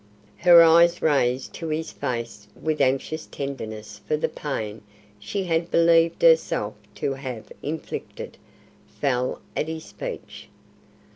Her eyes, raised to his face with anxious tenderness for the pain she had believed herself to have inflicted, fell at this speech.